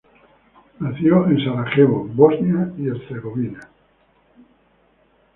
Nacido en Sarajevo, Bosnia y Herzegovina.